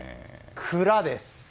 蔵です。